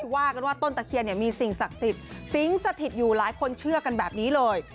ว่ากันว่าต้นตะเคียนเนี่ยมีสิ่งศักดิ์สิทธิ์สิงสถิตอยู่หลายคนเชื่อกันแบบนี้เลย